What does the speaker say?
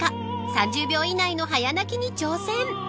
３０秒以内の早泣きに挑戦！